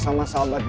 bagi selamat gue